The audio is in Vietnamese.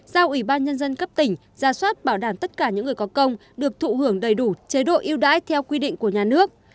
giao ủy ban nhân dân cấp tỉnh ra soát bảo đảm tất cả những người có công được thụ hưởng đầy đủ chế độ yêu đãi theo quy định của nhà nước